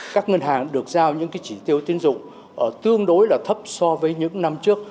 các ngân hàng được giao những cái chỉ tiêu tiến dụng tương đối là thấp so với những năm trước